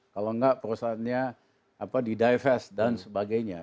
kalau enggak perusahaannya di divest dan sebagainya